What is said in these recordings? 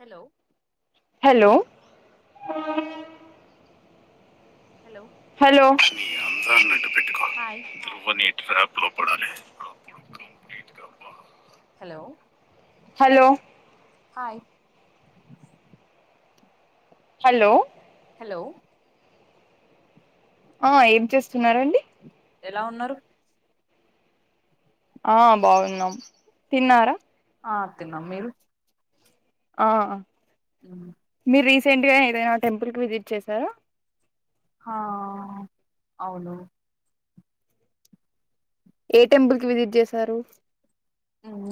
Hello hello hello hello hi hello [unintelligible] hello hi hello hello ఆ ఏం చేస్తున్నారండి ఎలా ఉన్నారు ఆ బాగున్నాం తిన్నారా ఆ తిన్నం మీరు ఆ హ్మ్ తింటివా ఏదైనా టెంపుల్ కి విజిట్ చేశారా ఆ అవును ఏ టెంపుల్ కి విజిట్ చేసారు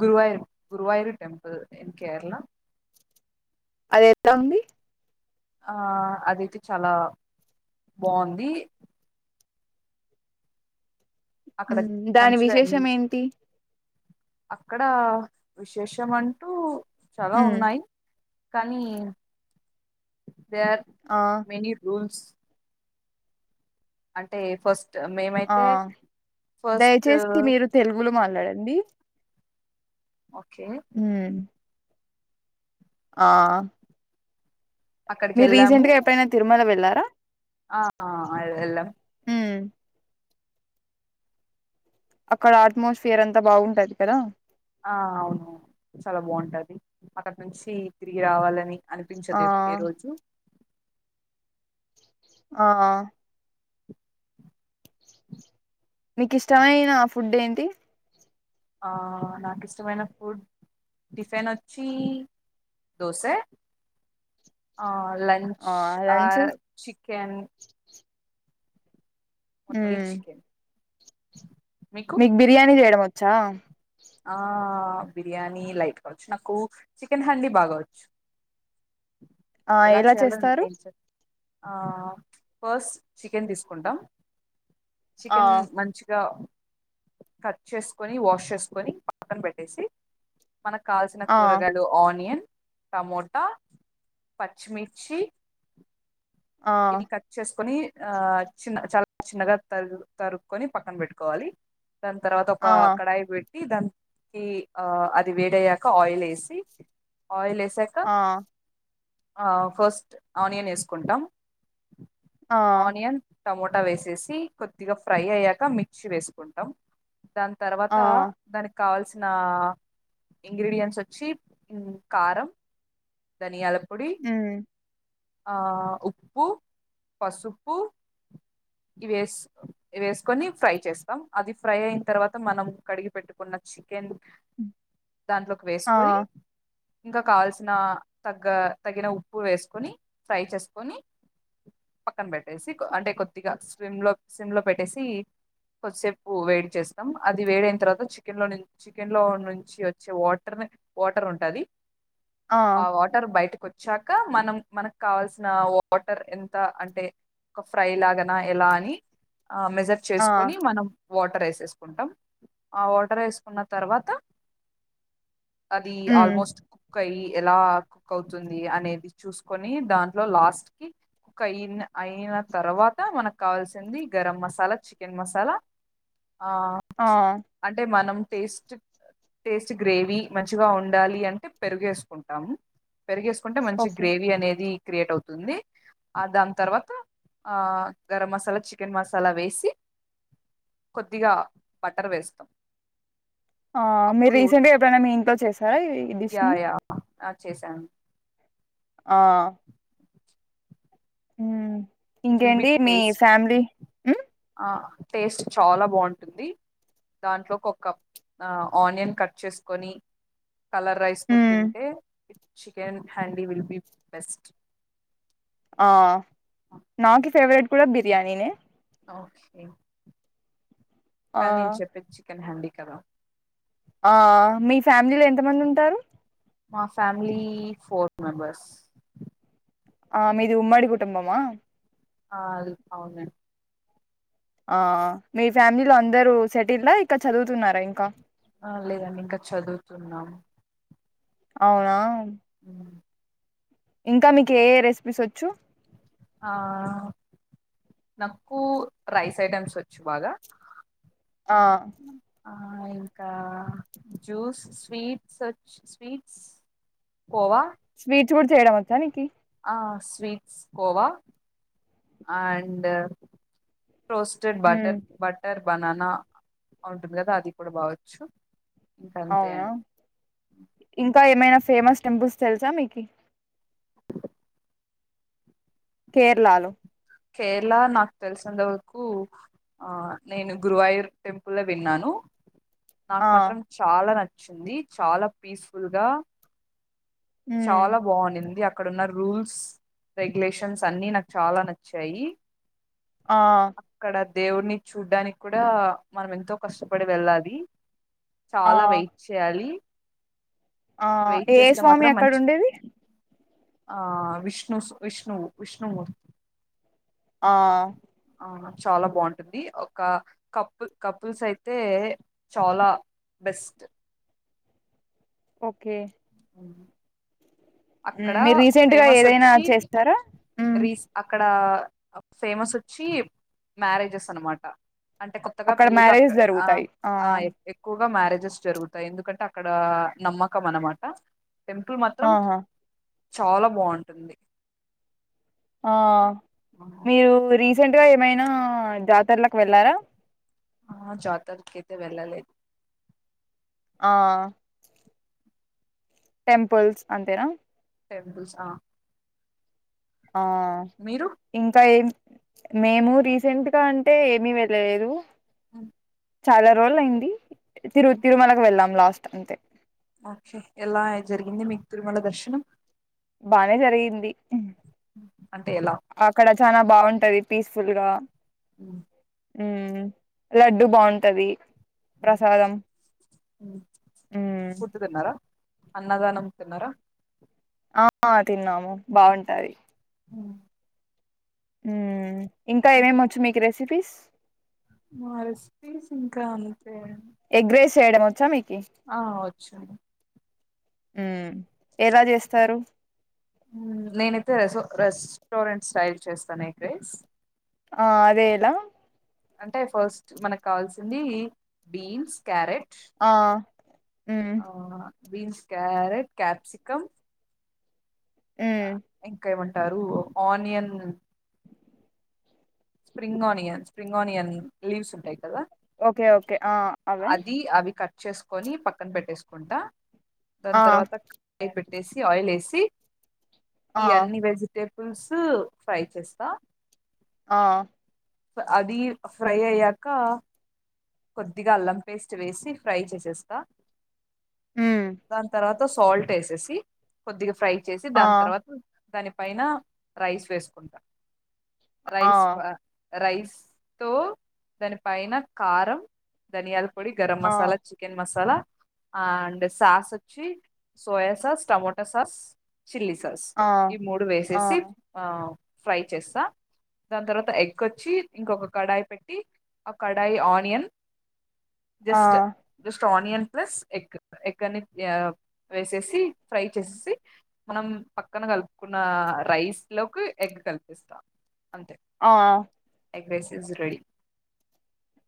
గురువయూర్ గురువయూర్ టెంపుల్ ఇన్ కేరళ అది ఎట్లా ఉంది ఆ అదియితే చాలా బాంది అక్కడ హ్మ్ దాని మంచిగా ఎన్- విశేషం ఏంటి అక్కడ విశేషం అంటూ చాలా ఉమ్ ఉన్నాయ్ కానీ they are uh many rules అంటే ఫస్ట్ ఆ మేమైతే ఫస్ట్ దయచేసి మీరు తెలుగులో మాట్లాండి మాట్లాడండి ఓకే హుమ్ ఆ అక్కడికి మీరు వెళ్ళాము రీసెంట్ గా ఎప్పుడైనా తిరుమల వెళ్ళారా త ఆ అ ఎల్ ఎల్లాం ఉమ్ అక్కడ అట్మాస్పియర్ అంతా బాగుంటది కదా ఆ అవును చాలా బాగుంటది అక్కడి నుంచి తిరిగి రావాలని ఆ అనిపించదు ఏప్ ఏ రోజు ఆ మీకు ఇష్టమయిన ఫుడ్ ఏంటి ఆ నాకు ఇష్టమైన ఫుడ్ టిఫిన్ వచ్చి దోస ఆ లంచ్ ఆ చికెన్ ఓన్లీ మ్మ్ చికెన్ మీకు బిర్యానీ చేయడం వచ్చ వచ్చా ఆ బిర్యానీ లైట్ కావచ్చు నాకు చికెన్ అండి బాగా వచ్చు ఆ ఎలా చేయాలో చేస్తారు నేను చెప్ ఆ ఫస్ట్ చికెన్ తీసుకుంటాం ఆ చికెన్ మంచిగా కట్ చేసుకొని వాష్ చేసుకో చేసుకొని పక్కన పెట్టేసి మనకు కావల్సిన ఆ కూరగాయలు ఆనియన్ టమోటా పచ్చిమిర్చి ఆ ఇది కట్ చేసుకొని ఆ చిన్న చాలా చిన్నగా తరు తరుగుకొని పక్కన పెట్టుకోవాలి దాని తర్వాత ఒక ఆ కడాయి పెట్టి దానికి ఆ అది వేడయ్యాక ఆయిల్ వేసి ఆయిల్ వే ఆ ఆ ఫస్ట్ ఆనియన్ వేసుకుంటాం ఆ ఆనియన్ టమోటా వేసేసి కొద్దిగా ఫ్రై అయ్యాక మిక్సీ వేసుకుంటాం దాని తర్వాత ఆ దానికి కావాల్సిన ఆ ఇంగ్రేడియంట్స్ ఉమ్ వచ్చి కారం యాలక్ ఉమ్ ఆ ఉప్పు పసుపు వేస్ వేసుకొని ఫ్రై చేస్తాం అది ఫ్రై అయిన తర్వాత మనం కడిగి పెట్టుకున్న చికెన్ దాంట్లోకి ఆ వేసుకొని ఇంకా కావల్సిన తగ్గ తగిన ఉప్పు వేసుకొని ఫ్రై చేసుకొని పక్కన పెట్టేసి అంటే కొ స్విమ్ లో స్విమ్ లో పెట్టేసి కొద్దిసేపు వేడి చేస్తాం అది వేదైన తర్వాత చికెన్ లో ను చికెన్ లో నుంచి వచ్చే వాటర్ ని వాటర్ ఉంటది ఆ వాటర్ బయట కొ చ్చాక మనం మనకు కావాల్సిన వాటర్ ఎంత అంటే ఒక ఫ్రై లాగా ఎలా అని ఆ మెజర్ ఆ చేసుకొని మనం వాటర్ వేసేసుకుంటాం ఆ వాటర్ వేసుకున్న తర్వాత అది మ్మ్ ఆల్మోస్ట్ కుక్ అయి ఎలా కుక్ అవుతుంది అనేది చూసుకొని దాంట్లో లాస్ట్ కి కుక్ అయి అయిన తర్వాత మనకు కావాల్సింది గరం మసాలా చికెన్ మసాలా ఆ ఆ అంటే మనం టేస్ట్ టేస్ట్ గ్రేవీ మంచిగా ఉండాలి అంటే పెరిగేసుకుంటాము పెరిగేసుకుంటే మంచి ఓకే గ్రేవీ అనేది క్రియేట్ అవుతుంది ఆ దాని తర్వాత ఆ గరం మసాలా చికెన్ మసాలా వేసి కొద్దిగా బటర్ వేస్తాం ఆ మీరు అప్పుడు రీసెంట్ గా ఎప్పుడైనా మీ ఇంట్లో చేసారా ఈ డిష్ యా ని యా ఆ చేశాను ఆ ఉమ్ ఇట్ విల్ బి ఇంకేంటి మీ టేస్ట్ ఫ్యామిలీ టేస్ట్ చాలా బాగుంటుంది దాంట్లోకి ఒక ఆనియన్ కట్ చేసుకొని కలర్ రైస్తో మ్మ్ తింటే ఇ chicken handi will be best ఆ నాకు ఫేవరెట్ కూడా బిర్యానీనే ఒకే ఆ కానీ నేను చెప్పిది చికెన్ హుండీ కద ఆ మీ ఫ్యామిలీలో ఎంతమంది ఉంటారు మా ఫ్యామిలీ ఫోర్ మెంబర్స్ ఆ మీది ఉమ్మడి కుటుంబమా ఆ అది అవునండి ఆ మీ ఫ్యామిలీలో అందరూ సెటిల్డ్ ఆ ఇకా చదువుతున్నారా ఇంకా ఆ లేదండి ఇంకా చదువుతున్నాము అవునా అ ఇంకా మీకు ఏ ఏ రెసిపీస్ వచ్చు ఆ నాకు రైస్ ఐటమ్స్ వచ్చు బాగా ఆ ఆ ఇంకా జ్యూస్ స్వీట్స్ వోచ్ స్వీట్స్ కోవా స్వీట్స్ కూడా చేయడం వచ్చా నికి ఆ sweets khoa and roasted hmm butter butter banana ఉంటుంది కదా అది కూడా బావచ్చు ఇంక అంతే అవునా అండి ఇంకా ఏమైనా ఫేమస్ టెంపుల్స్ తెలుసా మీకి కేరళలో కేరళ నాకు తెలిసినంతవరకు ఆ నేను గురువాయూర్ టెంపుల్ ఏ విన్నాను నాకు ఆ మాత్రం చాలా న చుంది చాలా పీస్ఫుల్ గా మ్మ్ చాలా బాగుంనింది అక్కడన్న రూల్స్ రెగ్యులేషన్స్ అన్ని నాకు చాలా చెయ్యి ఆ దేవుణ్ణి చూడడానికి కూడా మనం ఎంతో కష్టపడి వెళ్లాలి ఆ చాలా వెయిట్ చేయాలి ఆ వెయిట్ ఏ చేస్తే స్వామి మాత్రం అక్కడ మంచి ఉండేది ఆ విష్ణు విష్ణు విష్ణుమూర్తి ఆ ఆ చాలా బాగుంటుంది ఒక కప్పు కపుల్స్ అయితే చాలా బెస్ట్ ఓకే అవును హ్మ్. అక్కడ మీరు రీసెంట్ గా ఫేమస్ ఏదైనా వచ్చి చేస్తారా మ్మ్ రీస్ అక్కడ ఫేమస్ వచ్చి మ్యారేజెస్ అన్నమాట అంటే కొత్తగా అక్కడ పెళ్ళిలు అక్క మ్యారేజెస్ ఆ జరుగుతాయి ఆ ఎ ఎక్కు వగా మ్యారేజెస్ జరుగుతాయి ఎందుకంటె అక్కడ నమ్మకం అనమాట అ టెంపుల్ మాత్రం ఆహా చాలా బాగుంటుంది ఆ మీరు వూరి రీసెంట్ గా ఏమైనా జాతరలకు వెళ్లారా ఆ జాతరకైతే వెళ్ళలేదు ఆ టెంపుల్స్ అంతేనా టెంపుల్స్ ఆ ఆ మీరు ఇంకా ఏం మేము రీసెంట్గా అంటే ఏమి వెళ్ళలేదు అను చాలా రోజులైంది తిరు తిరుమలకు వెళ్ళం లాస్ట్ కష్టమంతే ఓకే ఎలా జరిగింది మీకు తిరుమల దర్శనం బానే జరిగింది అంటే ఎలా అక్కడ చానా బాగుంటది పీస్ఫుల్ గా అ ఉ లడ్డు బాగుంటది ప్రసాదం ఉ అన్నదానమ్ తిన్నారా ఆ తిన్నాము బాగుంటది ఉమ్ ఇంకా ఏమేమొచ్చు మీకు రెస్ చపిస్ మారస్ సింకాంత ఎగ్రెస్ చేయడం వచ్చా మీకు ఆ వచ్చు ఉమ్ ఎలా చేస్తారు నేనైతే రె రెస్టారెంట్ స్టైల్ చేస్తాను ఎగ్రేస్ ఆ అదే ఎలా అంటే ఫస్ట్ మనకు కావాల్సింది బీన్స్, క్యారెట్ ఆ ఆ బీన్స్, క్యారెట్, కాప్సికం ఉమ్ టారు onion spring onion spring onion leaves ఉంటాయి కదా ఓకే ఓకే ఆ అవే అది అవి కట్ చేసుకొని పక్కన పెట్టేసుకుంటా దాని ఆ తర్వాత [inaudible] దేశీ ఆయిల్ ఏసి ఆ ఈ అన్ని వెజిటే బుల్స్ ఫ్రై చేస్తా ఆ అది ఫ్రై అయ్యాక కొద్దిగా అల్లం పేస్ట్ వేసి ఫ్రై చేసేస్తా హ్మ్ దాని తర్వాత సాల్ట్ వేసేసి కొద్దిగా ఫ్రై చేసి ఆ దాని తర్వాత దానిపైన రైస్ వేసుకుంటా ఆ రైస్ పా రైస్ తో దాని పైన కారం ధనియల్ పొడి గరం ఆ మసాలా చికెన్ మసాలా ఆ అండ్ సాస్ వచ్చీ soya sauce tomato sauce chilli sauce ఆ ఈ మూడు ఆ వేసేసి ఆ ఫ్రై చేస్తా దాని తర్వాత ఎగ్ వచ్చి ఇంకొక కడాయి పెట్టి ఆ కడాయి ఆనియన్ ఆ just onion plus egg egg అని వేసేసి ఫ్రై చేసేసి మనం పక్కన కలుపుకున్న రైస్ లోకి ఎగ్ కలిపిస్తాం అంతే ఆ ఎగ్ రైస్ ఈజ్ రెడీ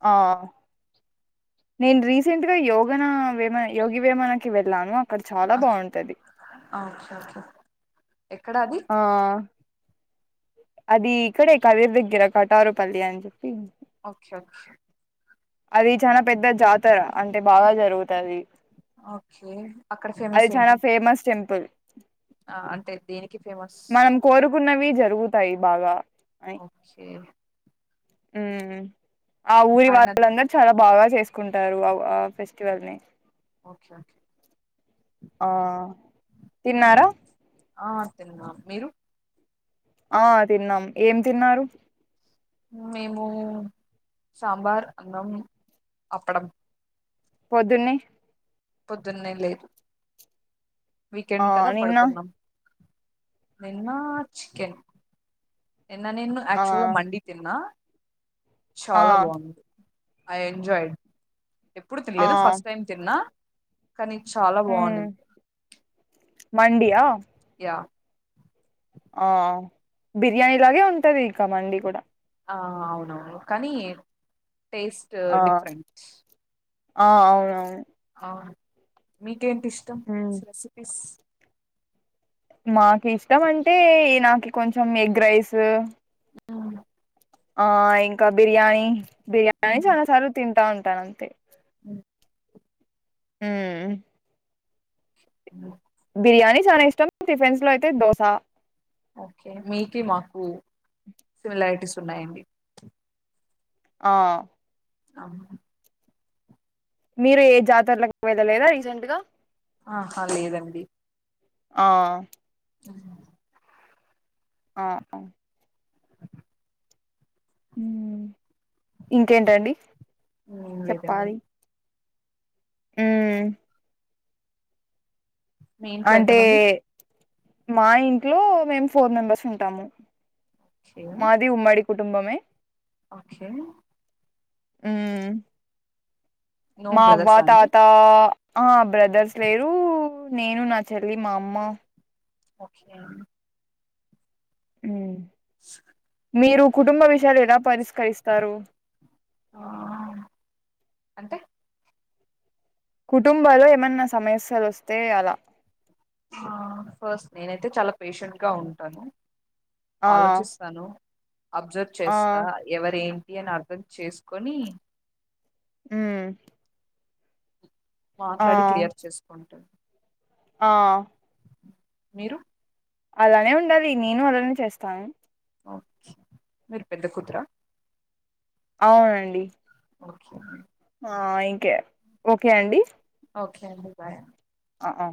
ఆ నేను రీసెంట్ గా యోగన వేమ యోగి వేమనకి వెళ్ళాను అక్కడ చాలా బాగుంటది ఓకే ఓకే ఎక్కడ అది ఆ అది ఇక్కడే కవేర్ దగ్గర కటారుపల్లి అని చెప్పి ఒకే ఒకే అది చాన పెద్ద జాతర అంటే బాగా జరుగుతది ఓకే అక్కడ ఫేమస్ ఏంటి పుల్ ఆ అంటే దేనికి ఫేమస్ మనం కోరుకున్నవి జరుగుతాయి బాగా ఓకే హ్మూ ఆ ఊరి వా ఆయన చాల బాగా చేసుకుంటారు ఆ ఆ ఫెస్టివల్ ని ఒకే ఆ తిన్నారా ఆ తిన్నాం, మీరు ఆ తిన్నాం ఏం తిన్నారు మేము సాంబార్ అన్నం అప్పడం పొద్దున్నే పొద్దున్నే లేదు ఆ వీకెండ్ కదా నిన్న పడుకున్నం నిన్నా చికెన్ నిన్న నేను ఆ ఆక్చువల్గా మండీ తిన్నా ఆ చాలా బాంది ఐ ఎంజాయిడ్ ఎప్పుడు ఆ తినలేదు ఫస్ట్ టైం తిన్నా కానీ చాలా బావున్ని మ్మ్ మండియా క ఆ బిర్యానీ లాగే ఉంటది ఇక మండి కూడా ఆ అవునవును కానీ టేస్ట్ ఆ డిఫరెంట్ ఆ అవునువును మీ ఇంకేంటి ఇష్టం మ్మ్ రెసిపీస్ మాకు ఇష్టం అంటే నాకు కొంచెం ఎగ్ రైస్ హ్మ్ ఆ ఇంకా బిర్యానీ బిర్యానీ చాలా సార్లు తింటాను తనంతె అ హ్మ్ ఉ బిర్యానీ చాలా ఇష్టం టిఫిన్స్ లో అయితే దోస ఓకే మీకు మాకు సిమిలారిటీస్ న్నాయండి ఆ అవును మీరు ఏ జాతరలకు వెల్లలేదా రీసెంట్ గా ఆహా లేదండి ఆ అ ఆ ఆ మ్మ్ ఇంకేంటండి ఏం లేదండి చప్పాలి మ్మ్ మీ ఇంట్లో అంటే ఎంతమంది మా ఇంట్లో మేము ఫోర్ మెంబర్స్ ఉంటాము ఓకే మాది ఉమ్మడి కుటుంబమే ఓకే మ్మ్ నో మా అవ్వ బ్రదర్సా అండి తాత ఆ బ్రదర్స్ లేరు నేను నా చెల్లి మా అమ్మ ఓకే అండి మ్మ్ స్ మీరు కుటుంబ విష విషయాలు ఎలా పరిష్కరిస్తారు ఆ, అంటే కుటుంబాలు ఏమన్నా సమస్యలు వస్తే అలా ఆ ఫస్ట్ నేనైతే చాలా పేషెంట్ గా ఉంటాను ఆ ఆలోచిస్తాను అబ్జర్వ్ ఆ చేస్తా ఎవర్ ఏం నేను అర్థం చేసుకొని హ్మ్ మాట్లాడి క్లియర్ చేసుకుంటాం ఆ మీరు అలానే ఉండాలి నేను అలానే చేస్తాను. ఆ చ్ మీరు పెద్ద కూతుర అవునండి ఒకే నండి ఆ ఇంకే ఓకే అండి. ఓకే అండి బాయ్ అ ఆ